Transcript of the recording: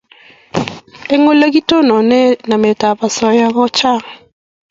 Eng' ole kitononi namet ab asoya ko chang'